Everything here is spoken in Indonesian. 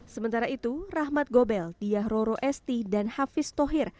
sementara itu rahmat gobel diah roro esti dan hafiz tohir